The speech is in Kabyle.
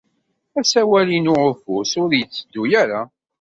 Asawal-inu n ufus ur yetteddu ara.